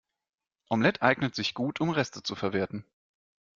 Omelette eignet sich gut, um Reste zu verwerten.